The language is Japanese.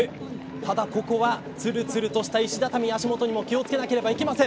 ただここは、つるつるとした石畳足元にも気を付けなければいけません。